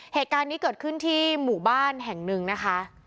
เหตุการณ์นี้เกิดขึ้นที่หมู่บ้านแห่งหนึ่งนะคะ